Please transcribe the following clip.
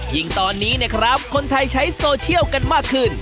ยิ่งตอนนี้นะครับคนไทยใช้โซเชียลกันมากขึ้น